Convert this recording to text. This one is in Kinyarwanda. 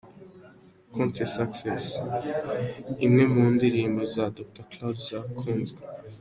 Contre succes, imwe mu ndirimbo za Dr Claude zakunzwe.